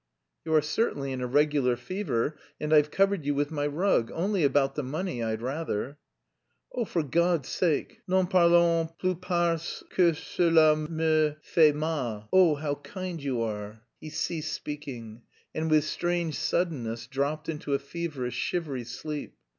"You are certainly in a regular fever and I've covered you with my rug; only about the money, I'd rather." "Oh, for God's sake, n'en parlons plus parce que cela me fait mal. Oh, how kind you are!" He ceased speaking, and with strange suddenness dropped into a feverish shivery sleep.